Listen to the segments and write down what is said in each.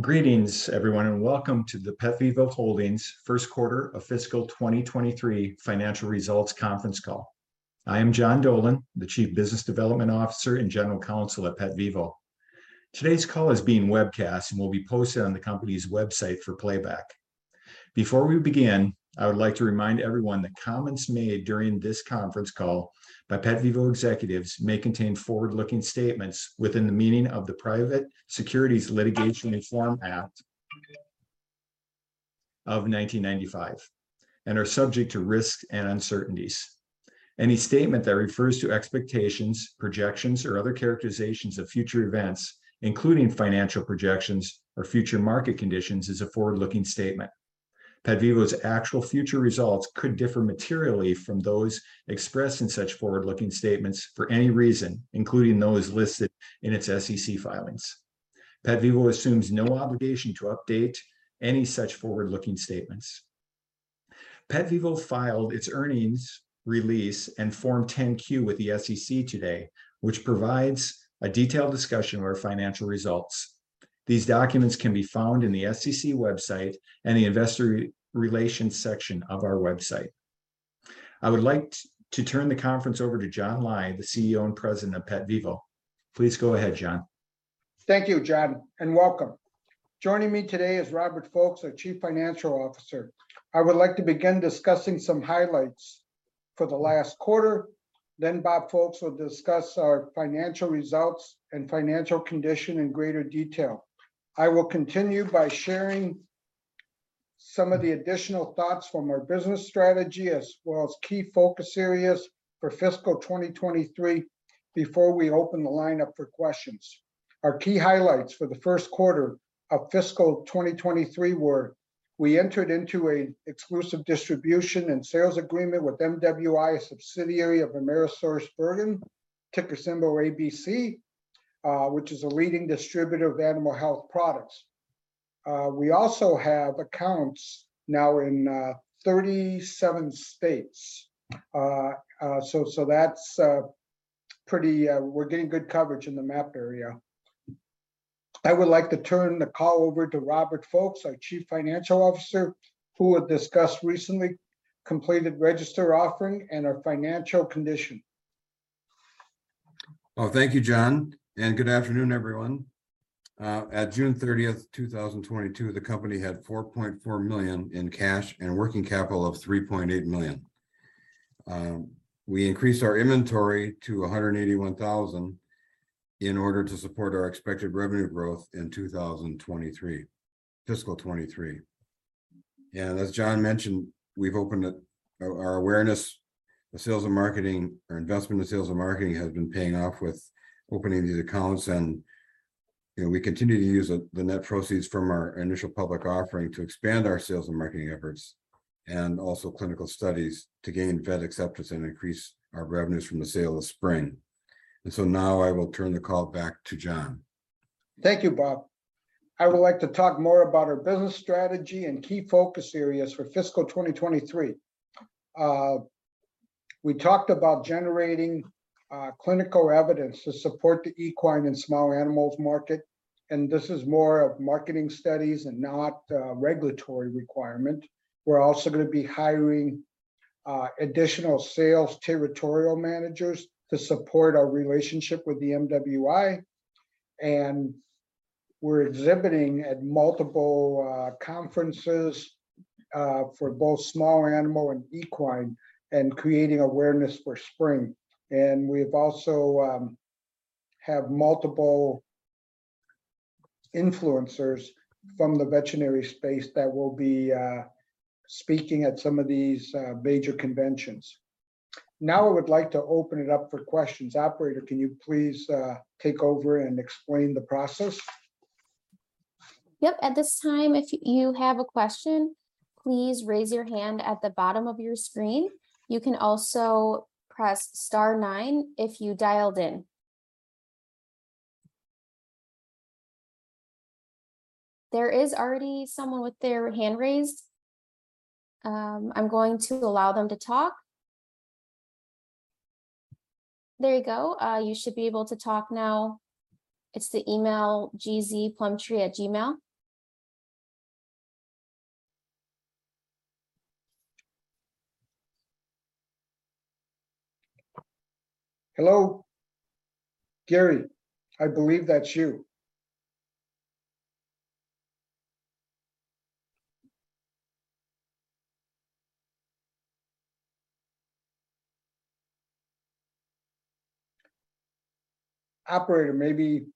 Greetings, everyone, and welcome to the PetVivo Holdings first quarter of fiscal 2023 financial results conference call. I am John Dolan, the Chief Business Development Officer and General Counsel at PetVivo. Today's call is being webcast and will be posted on the company's website for playback. Before we begin, I would like to remind everyone that comments made during this conference call by PetVivo executives may contain forward-looking statements within the meaning of the Private Securities Litigation Reform Act of 1995, and are subject to risks and uncertainties. Any statement that refers to expectations, projections, or other characterizations of future events, including financial projections or future market conditions, is a forward-looking statement. PetVivo's actual future results could differ materially from those expressed in such forward-looking statements for any reason, including those listed in its SEC filings. PetVivo assumes no obligation to update any such forward-looking statements. PetVivo filed its earnings release and Form 10-Q with the SEC today, which provides a detailed discussion of our financial results. These documents can be found in the SEC website and the investor relations section of our website. I would like to turn the conference over to John Lai, the Chief Executive Officer and President of PetVivo. Please go ahead, John. Thank you, John, and welcome. Joining me today is Robert Folkes, our Chief Financial Officer. I would like to begin discussing some highlights for the last quarter, then Bob Folkes will discuss our financial results and financial condition in greater detail. I will continue by sharing some of the additional thoughts from our business strategy as well as key focus areas for fiscal 2023 before we open the line up for questions. Our key highlights for the first quarter of fiscal 2023 were we entered into an exclusive distribution and sales agreement with MWI, a subsidiary of AmerisourceBergen, ticker symbol ABC, which is a leading distributor of animal health products. We also have accounts now in 37 states, so we're getting good coverage in the mapped area. I would like to turn the call over to Robert Folkes, our Chief Financial Officer, who will discuss recently completed registered offering and our financial condition. Well, thank you, John, and good afternoon, everyone. At June 30th, 2022, the company had $4.4 million in cash and working capital of $3.8 million. We increased our inventory to $181,000 in order to support our expected revenue growth in 2023, fiscal 2023. As John mentioned, our investment in sales and marketing has been paying off with opening these accounts, and, you know, we continue to use the net proceeds from our initial public offering to expand our sales and marketing efforts and also clinical studies to gain vet acceptance and increase our revenues from the sale of Spryng. Now I will turn the call back to John. Thank you, Bob. I would like to talk more about our business strategy and key focus areas for fiscal 2023. We talked about generating clinical evidence to support the equine and small animal market, and this is more of marketing studies and not a regulatory requirement. We're also gonna be hiring additional sales territory managers to support our relationship with the MWI, and we're exhibiting at multiple conferences for both small animal and equine and creating awareness for Spryng. We also have multiple influencers from the veterinary space that will be speaking at some of these major conventions. Now I would like to open it up for questions. Operator, can you please take over and explain the process? Yep. At this time, if you have a question, please raise your hand at the bottom of your screen. You can also press star nine if you dialed in. There is already someone with their hand raised. I'm going to allow them to talk. There you go. You should be able to talk now. It's the email gzplumtree@gmail. Hello? Gary, I believe that's you. Operator, maybe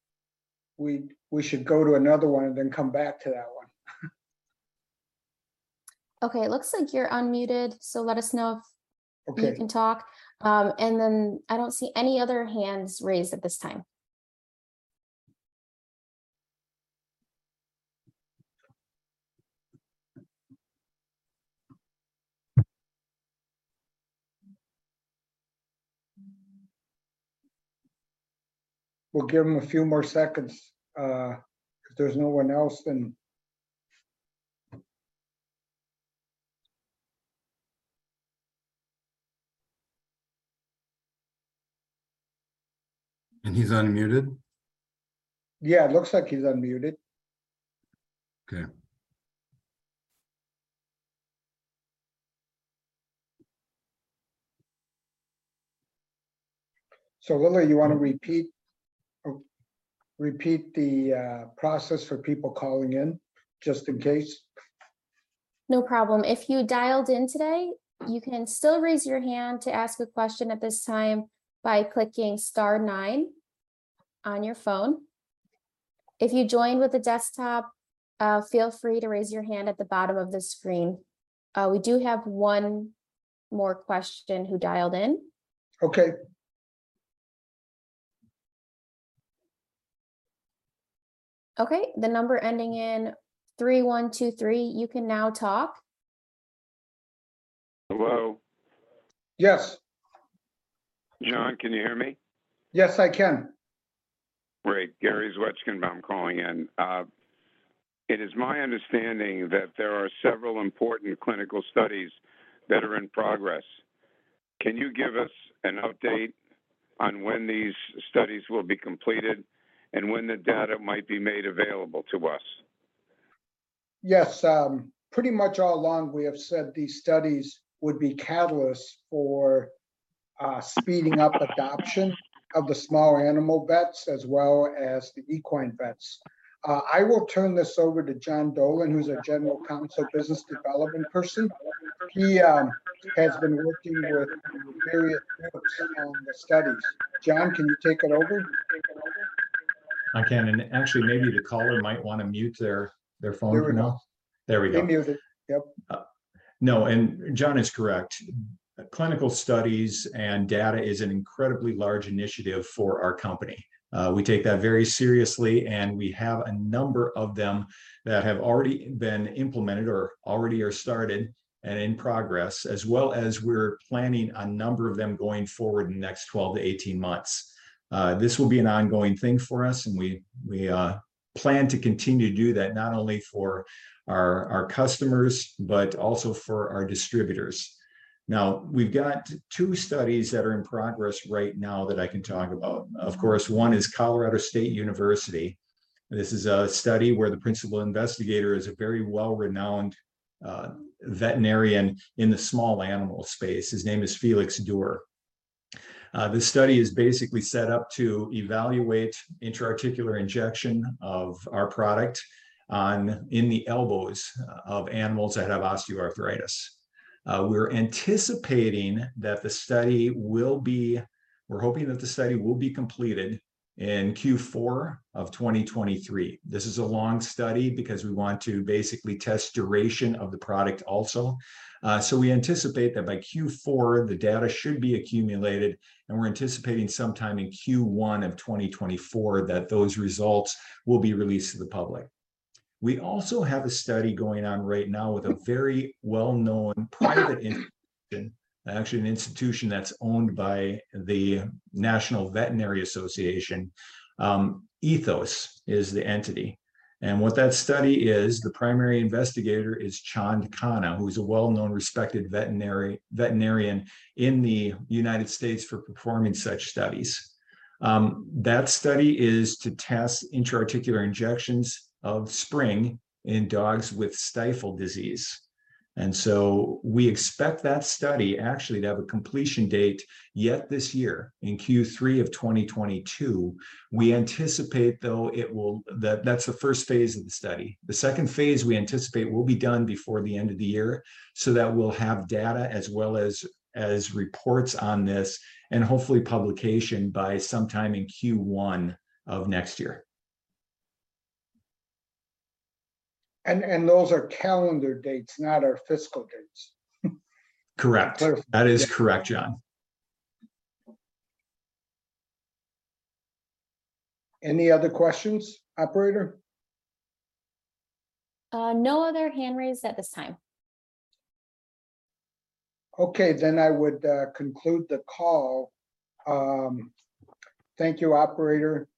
we should go to another one and then come back to that one. Okay, it looks like you're unmuted, so let us know if Okay You can talk. I don't see any other hands raised at this time. We'll give him a few more seconds. If there's no one else then. He's unmuted? Yeah, it looks like he's unmuted. Okay. Lily, you wanna repeat the process for people calling in, just in case? No problem. If you dialed in today, you can still raise your hand to ask a question at this time by clicking star nine on your phone. If you joined with a desktop, feel free to raise your hand at the bottom of the screen. We do have one more question who dialed in. Okay. Okay. The number ending in 3123, you can now talk. Hello? Yes. John, can you hear me? Yes, I can. Great. Gary Zwetchkenbaum calling in. It is my understanding that there are several important clinical studies that are in progress. Can you give us an update on when these studies will be completed and when the data might be made available to us? Yes. Pretty much all along we have said these studies would be catalyst for speeding up adoption of the small animal vets as well as the equine vets. I will turn this over to John Dolan, who's our general counsel business development person. He has been working with various groups on the studies. John, can you take it over? I can. Actually, maybe the caller might wanna mute their phone. We will. There we go. He muted. Yep. No, John is correct. Clinical studies and data is an incredibly large initiative for our company. We take that very seriously, and we have a number of them that have already been implemented or already are started and in progress, as well as we're planning a number of them going forward in the next 12 months-18 months. This will be an ongoing thing for us, and we plan to continue to do that not only for our customers, but also for our distributors. Now, we've got two studies that are in progress right now that I can talk about. Of course, one is Colorado State University. This is a study where the principal investigator is a very well-renowned veterinarian in the small animal space. His name is Felix Duerr. The study is basically set up to evaluate intra-articular injection of our product in the elbows of animals that have osteoarthritis. We're hoping that the study will be completed in Q4 of 2023. This is a long study because we want to basically test duration of the product also. We anticipate that by Q4 the data should be accumulated, and we're anticipating some time in Q1 of 2024 that those results will be released to the public. We also have a study going on right now with a very well-known private actually an institution that's owned by the National Veterinary Associates. Ethos is the entity. What that study is, the primary investigator is Sherman Canapp, who's a well-known respected veterinarian in the United States for performing such studies. That study is to test intra-articular injections of Spryng in dogs with stifle disease. We expect that study actually to have a completion date yet this year, in Q3 of 2022. We anticipate, though, that's the first phase of the study. The second phase we anticipate will be done before the end of the year, so that we'll have data as well as reports on this and hopefully publication by some time in Q1 of next year. Those are calendar dates, not our fiscal dates. Correct. Perfect. That is correct, John. Any other questions, operator? No other hand raised at this time. Okay. I would conclude the call. Thank you, operator.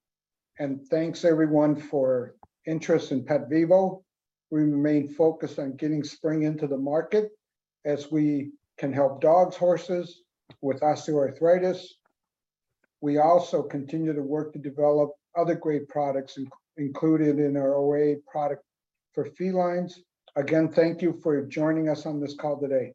Thanks everyone for interest in PetVivo. We remain focused on getting Spryng into the market as we can help dogs, horses with osteoarthritis. We also continue to work to develop other great products included in our OA product for felines. Again, thank you for joining us on this call today.